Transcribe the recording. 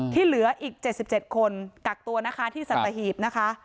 ที่เหลืออีก๗๗คนกักตัวที่สัตหีพนะคะ